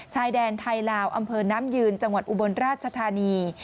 ชายแดนไทยลาวอำเภอน้ำยืนจังหวัดอุบลราชธานี